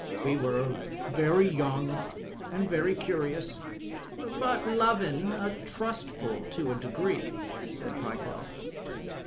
We were very young an* very curious." Bid lovin' an* trustful to a degree,*' said Pyecroft.